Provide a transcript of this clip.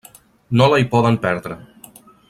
No la hi poden perdre.